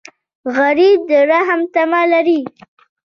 غریب د رحم تمه لري